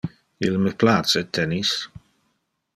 Il me place tennis.